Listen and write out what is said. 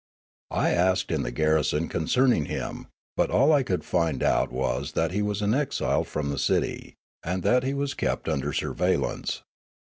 I asked in the garrison concerning him, but all I could find out was that he was an exile from the city, and that he was kept under surveillance.